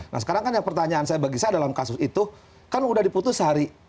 nah sekarang kan yang pertanyaan saya bagi saya dalam kasus itu kan udah diputus hari